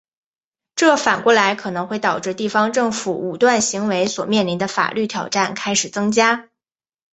这反过来可能会导致地方政府武断行为所面临的法律挑战开始增加。